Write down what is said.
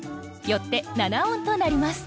よって７音となります。